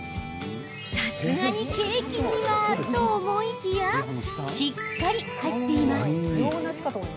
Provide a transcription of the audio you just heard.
さすがにケーキにはと思いきやしっかり入っています。